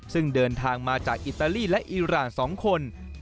ซึ่งเดินทางมาจากอิตาลีและอิราณ๒คน